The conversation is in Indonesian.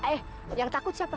eh yang takut siapa